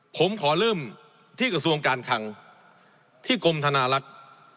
ผมขอเริ่มที่กระทรวงการคังที่กรมธนาลักษณ์